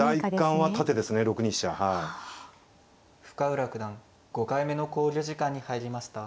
深浦九段５回目の考慮時間に入りました。